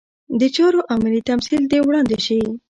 د چارو عملي تمثیل دې وړاندې شي.